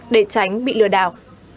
để tránh bị lừa đào